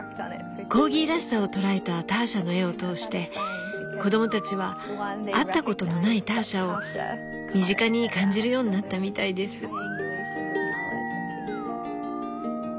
コーギーらしさを捉えたターシャの絵を通して子供たちは会ったことのないターシャを身近に感じるようになったみたいです。